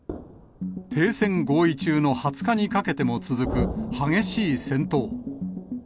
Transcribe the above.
停戦合意中の２０日にかけても続く激しい戦闘。